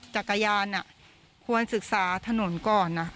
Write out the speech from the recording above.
จักรยานควรศึกษาถนนก่อน